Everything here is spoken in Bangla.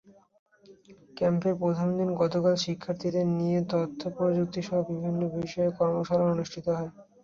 ক্যাম্পের প্রথম দিনে গতকাল শিক্ষার্থীদের নিয়ে তথ্যপ্রযুক্তিসহ বিভিন্ন বিষয়ে কর্মশালা অনুষ্ঠিত হয়।